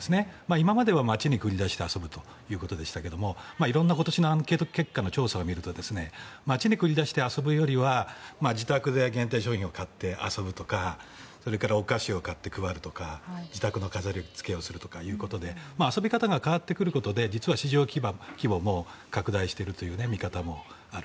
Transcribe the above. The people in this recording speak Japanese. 今までは街に繰り出して遊ぶということでしたが色んな今年のアンケート結果の調査を見ると街に繰り出して遊ぶよりは自宅で限定商品を買って遊ぶとかそれからお菓子を買って配るとか自宅の飾りつけをするということで遊び方が変わってくることで実は市場規模も拡大しているという見方もある。